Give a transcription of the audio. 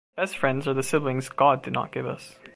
Best friends are the siblings God did not give us.